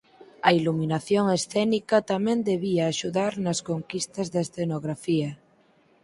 A iluminación escénica tamén debía axudar nas conquistas da escenografía.